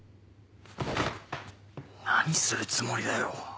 何するつもりだよ。